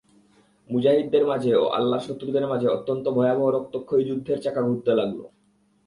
মুজাহিদদের মাঝে ও আল্লাহর শত্রুদের মাঝে অত্যন্ত ভয়াবহ রক্তক্ষয়ী যুদ্ধের চাকা ঘুরতে লাগল।